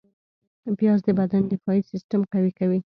پیاز د بدن دفاعي سیستم قوي کوي